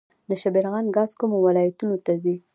د شبرغان ګاز کومو ولایتونو ته ځي؟